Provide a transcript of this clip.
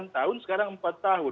enam belas tahun sekarang empat tahun